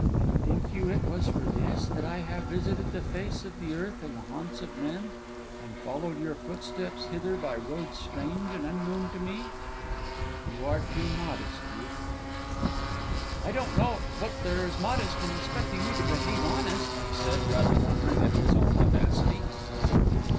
"And think you it was for this that I have visited the face of the earth and the haunts of men, and followed your footsteps hither by roads strange and unknown to me? You are too modest, youth." "I don't know what there is modest in expecting you to behave honest!" he said, rather wondering at his own audacity.